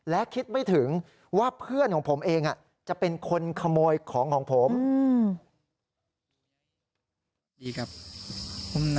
และคิดไม่ถึงว่าเพื่อนของผมเองจะเป็นคนขโมยของของผม